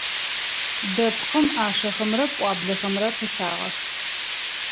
Дэпкъым ӏашэхэмрэ пӏуаблэхэмрэ пылъагъэх.